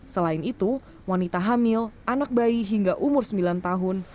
selain itu wanita hamil anak bayi hingga umur sembilan tahun